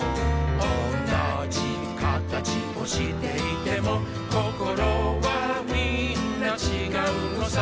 「おんなじ形をしていても」「心はみんなちがうのさ」